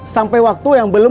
sampai waktu yang berakhir